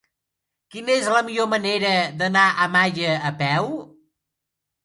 Quina és la millor manera d'anar a Malla a peu?